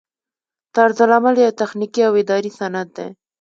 طرزالعمل یو تخنیکي او اداري سند دی.